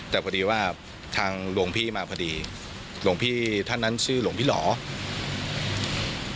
แต่พอดีว่าทางหลวงพี่มาพอดีหลวงพี่ท่านนั้นชื่อหลวงพี่หล่อ